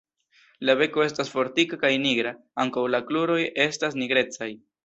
La beko estas fortika kaj nigra; ankaŭ la kruroj estas nigrecaj.